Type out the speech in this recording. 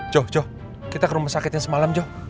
jho jho kita ke rumah sakitnya semalam jho